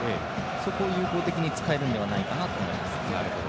そこを有効的に使えるのではないかと思います。